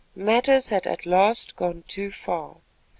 Matters had at last gone too far.